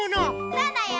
そうだよ！